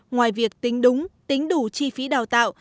ngoài việc tính đúng tính đủ chi phí đào tạo